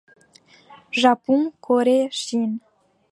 Japon, Corée, Chine.